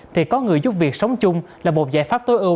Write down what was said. thì có người giúp việc sống chung là một giải pháp tối ưu